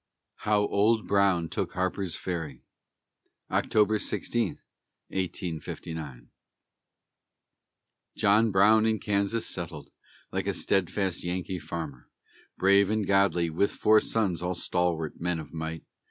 HOW OLD BROWN TOOK HARPER'S FERRY [October 16, 1859] John Brown in Kansas settled, like a steadfast Yankee farmer, Brave and godly, with four sons, all stalwart men of might.